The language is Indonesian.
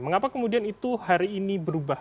mengapa kemudian itu hari ini berubah